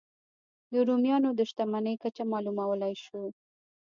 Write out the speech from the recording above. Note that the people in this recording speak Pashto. د رومیانو د شتمنۍ کچه معلومولای شو.